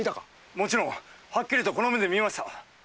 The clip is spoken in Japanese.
もちろん。はっきりとこの目で見ました。